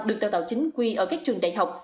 được đào tạo chính quy ở các trường đại học